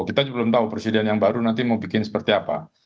kita belum tahu presiden yang baru nanti mau bikin seperti apa